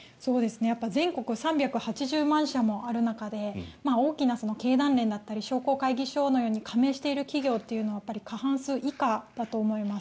全国３８０万社もある中で大きな経団連だったり商工会議所のように加盟している企業というのは過半数以下だと思います。